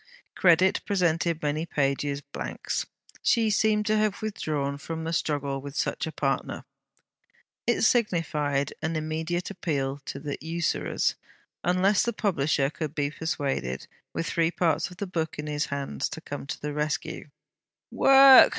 Credit presented many pages blanks. She seemed to have withdrawn from the struggle with such a partner. It signified an immediate appeal to the usurers, unless the publisher could be persuaded, with three parts of the book in his hands, to come to the rescue. Work!